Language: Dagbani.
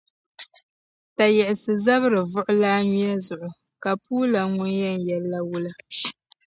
Tayiɣinima n-zabiri vuɣilaa nyuya zuɣu ka puulana ŋun’ yɛn yɛl’la wula?